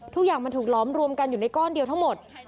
ทุกอย่างมันถูกล้อมรวมกันอยู่ในก้อนเดียวทั้งหมด